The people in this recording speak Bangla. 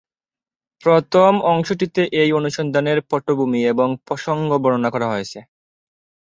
প্রথম অংশটিতে এই অনুসন্ধানের পটভূমি এবং প্রসঙ্গ বর্ণনা করা হয়েছে।